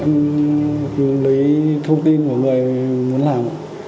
em lấy thông tin của người muốn làm